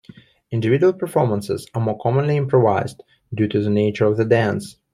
Individual performances are more commonly improvised due to the nature of the dance.